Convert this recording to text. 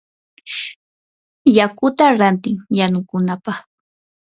yukata ranti yanukunapaq.